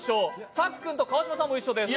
さっくんと川島さんも一緒です。